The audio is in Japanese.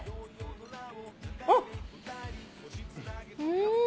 うん！